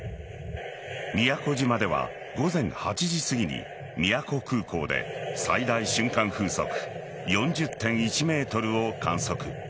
宮古島では午前８時すぎに宮古空港で、最大瞬間風速４０．１メートルを観測。